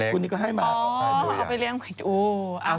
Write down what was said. คุณนิดก็ให้มา